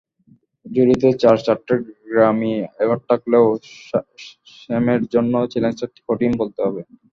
ঝুলিতে চার-চারটে Grammy award থাকলেও, স্যামের জন্য চ্যালেঞ্জটা কঠিনই বলতে হবে।